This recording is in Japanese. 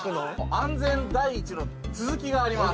安全第一の続きがあります。